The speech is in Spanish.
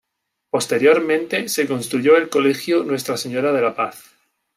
Posteriormente se construyó el Colegio Nuestra Señora de la Paz.